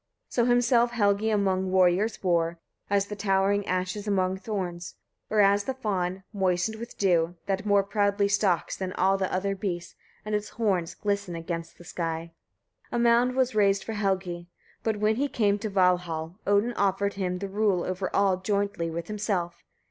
36. So himself Helgi among warriors bore, as the towering ash is among thorns, or as the fawn, moistened with dew, that more proudly stalks than all the other beasts, and its horns glisten against the sky. A mound was raised for Helgi; but when he came to Valhall, Odin offered him the rule over all jointly with himself.